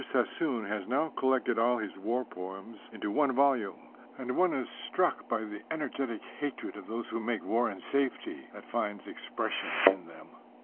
Sassoon has now collected all his war poems into one volume, and one is struck by the energetic hatred of those who make war in safety that finds expression in them.